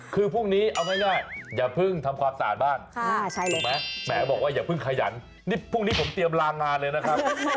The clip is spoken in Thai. คือพรุ่งนี้เอาง่ายอย่าเพิ่งทำความสะอาดบ้านแหมบอกว่าอย่าเพิ่งขยันนี่พรุ่งนี้ผมเตรียมลางงานเลยนะครับ